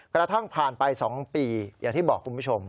กระทั่งผ่านไป๒ปีอย่างที่บอกคุณผู้ชม